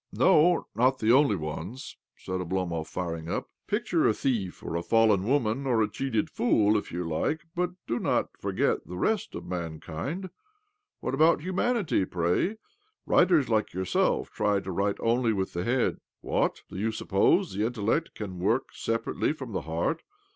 "No, not the only ones," said Oblomov, firing up. " Picture a thief or a fallen woman or a cheated fool, if you like, but do not forget the rest of mankind. What about humanity, pray? Writers like yourself try to write only with the head. What? Do you suppose the intellect can work separately from the heart?